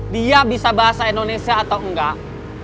dia bisa bahasa indonesia atau enggak